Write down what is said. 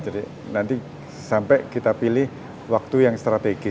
jadi nanti sampai kita pilih waktu yang strategis